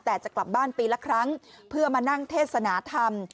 แต่จะกลับบ้านปีละครั้งเพื่อมานั่งเทศนาธรรม